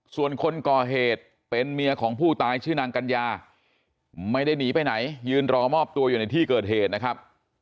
ส่วนคนก่อเหตุเป็นเมียของผู้ตายชื่อนางกัญญาไม่ได้หนีไปไหนยืนรอมอบตัวอยู่ในที่เกิดเหตุนะครับ